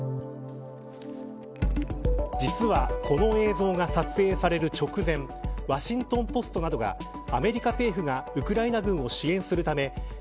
実は、この映像が撮影される直前ワシントン・ポストなどがアメリカ政府がウクライナ軍を支援するためＮＡＴＯ